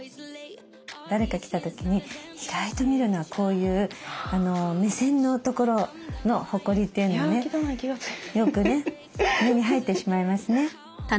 誰か来た時に意外と見るのはこういう目線のところのほこりというのはねよくね目に入ってしまいますね。